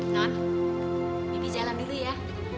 non bibi jalan dulu ya